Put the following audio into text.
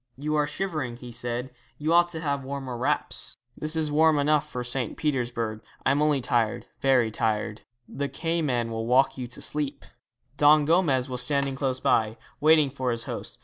'You are shivering,' he said; 'you ought to have warmer wraps. 'This is warm enough for St. Petersburg. I am only tired very tired.' 'The Cayman will rock you to sleep.' Don Gomez was standing close by, waiting for his host.